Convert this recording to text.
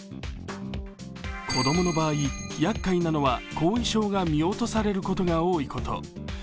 子供の場合、やっかいなのは後遺症が見落とされることが多いこと。